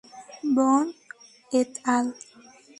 Bond et al.